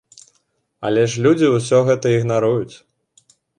Але ж людзі ўсё гэта ігнаруюць.